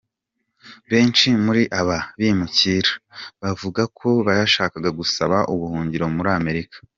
Benshi muri aba bimukira bavuga ko bashaka gusaba ubuhungiro muri Amerika.